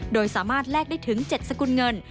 โดยสามารถแลกได้ถึง๗สกุลเงิน